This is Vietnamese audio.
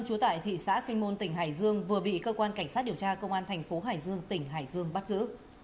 trú tại thị xã kinh môn tỉnh hải dương vừa bị cơ quan cảnh sát điều tra công an thành phố hải dương tỉnh hải dương bắt giữ